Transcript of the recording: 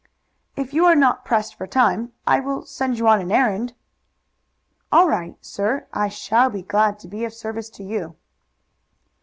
"If you are not pressed for time, I will send you on an errand." "All right, sir. I shall be glad to be of service to you."